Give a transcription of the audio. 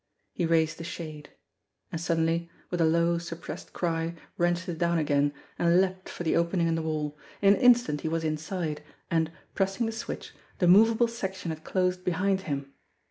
He raised the shade and suddenly, with a low, suppressed cry, wrenched it down again, and leaped for the opening in the wall. In an instant he was inside, and, pressing the switch, the movable section had closed behind him.